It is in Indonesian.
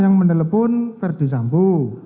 yang mendelepon verdi sambu